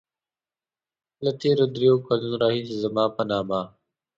له تېرو دريو کالو راهيسې زما په نامه.